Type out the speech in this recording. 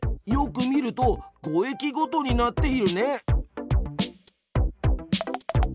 よく見ると５駅ごとになっているね！